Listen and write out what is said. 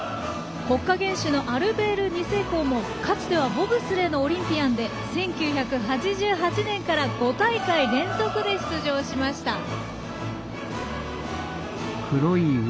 国家元首のアルベール２世公もかつてはボブスレーのオリンピアンで１９８８年から５大会連続で出場しました。